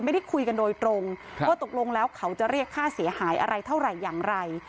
ไม่ได้คุยกันโดยตรงว่าตกลงแล้วเขาจะเรียกค่าเสียหายอะไรเท่าไหร่อย่างไร